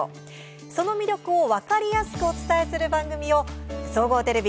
その魅力を分かりやすくお伝えする番組を総合テレビ